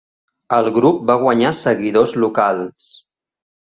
El grup va guanyar seguidors locals.